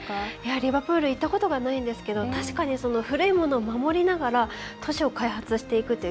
リバプール行ったことないんですけど確かに古いものを守りながら都市を開発していくという。